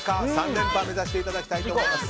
３連覇目指していただきたいと思います。